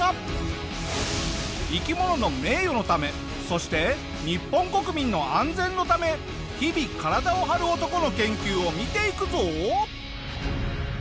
生き物の名誉のためそして日本国民の安全のため日々体を張る男の研究を見ていくぞ。